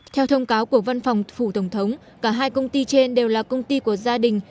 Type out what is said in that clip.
theo thông cáo của văn phòng phủ tổng thống cả hai công ty trên đều là công ty của gia đình